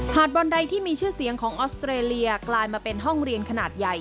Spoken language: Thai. บอลใดที่มีชื่อเสียงของออสเตรเลียกลายมาเป็นห้องเรียนขนาดใหญ่